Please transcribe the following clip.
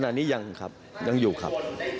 ตอนนี้ยังครับยังอยู่ครับ